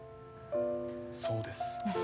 そうです。